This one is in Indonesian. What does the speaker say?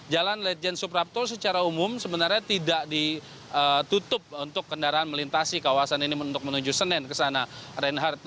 jalan lejen suprapto secara umum sebenarnya tidak ditutup untuk kendaraan melintasi kawasan ini untuk menuju senen ke sana reinhardt